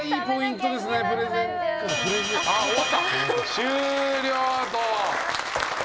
終了と。